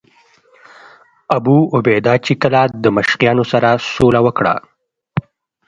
ابوعبیده چې کله له دمشقیانو سره سوله وکړه.